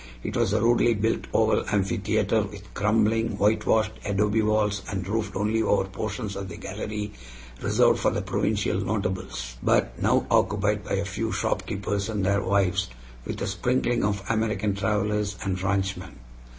It was a rudely built oval amphitheater, with crumbling, whitewashed adobe walls, and roofed only over portions of the gallery reserved for the provincial "notables," but now occupied by a few shopkeepers and their wives, with a sprinkling of American travelers and ranchmen.